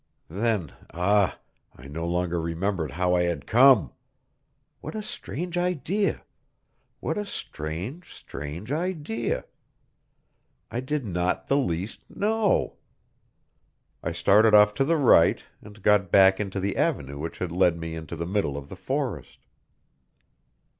Then, ah! I no longer remembered how I had come! What a strange idea! What a strange, strange idea! I did not the least know. I started off to the right, and got back into the avenue which had led me into the middle of the forest.